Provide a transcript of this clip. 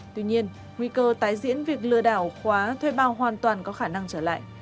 tuy nhiên nguy cơ tái diễn việc lừa đảo khóa thuê bao hoàn toàn có khả năng trở lại